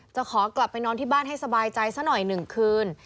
จะขอกลับไปนอนที่บ้านให้สบายใจซะหน่อย๑คืน